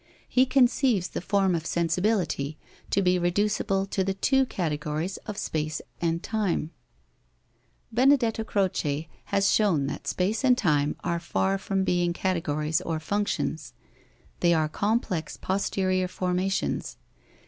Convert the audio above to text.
He conceives the form of sensibility to be reducible to the two categories of space and time. Benedetto Croce has shown that space and time are far from being categories or functions: they are complex posterior formations.